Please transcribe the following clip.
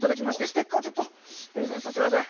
ステッカーをプレゼントさせてください。